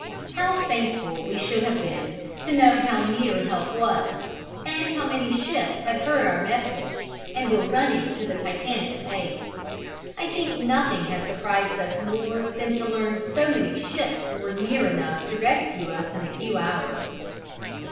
How thankful we should have been to know how near help was, and how many ships had heard our message and were rushing to the Titanic's aid. I think nothing has surprised us more than to learn so many ships were near enough to rescue us in a few hours.